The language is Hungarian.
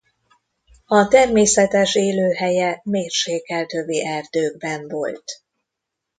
A természetes élőhelye mérsékelt övi erdőkben volt.